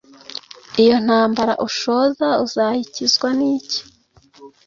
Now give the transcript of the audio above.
iyo ntambara ushoza uzayikizwa niki